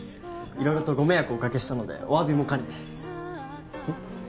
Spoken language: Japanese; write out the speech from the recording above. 色々とご迷惑をおかけしたのでお詫びも兼ねてうん？